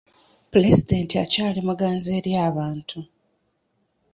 Pulezidenti akyali muganzi eri abantu.